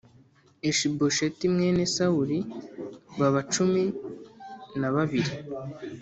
Ishibosheti mwene Sawuli baba cumi na babiri